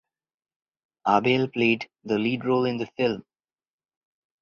Aabel played the lead role in the film.